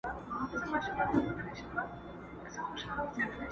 زما تر لحده به آواز د مرغکیو راځي٫